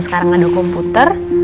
sekarang ada komputer